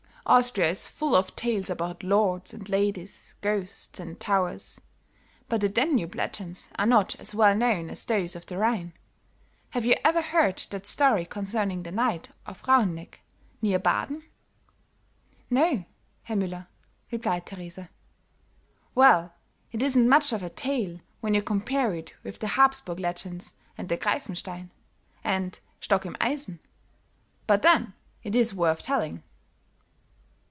"Austria is full of tales about lords and ladies, ghosts and towers, but the Danube legends are not as well known as those of the Rhine. Have you ever heard that story concerning the Knight of Rauheneck near Baaden?" "No, Herr Müller," replied Teresa. "Well, it isn't much of a tale when you compare it with the Habsburg legends and the Griefenstein, and Stock im Eisen, but then it is worth telling."